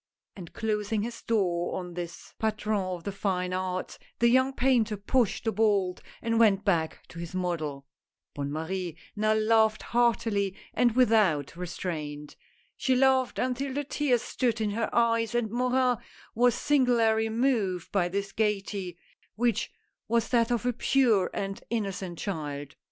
And closing his door on this patron of the fine arts, the young painter pushed the bolt and went back to his model. Bonne Marie now laughed heartily and without restraint. She laughed until the tears stood in her eyes, and Morin was singularly moved by this gayety — which was that of a pure and innocent child.